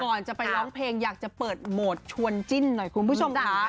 ก่อนจะไปร้องเพลงอยากจะเปิดโหมดชวนจิ้นหน่อยคุณผู้ชมค่ะ